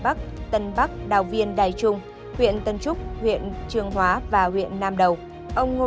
ở tân trúc đài trung phía tây hòn đảo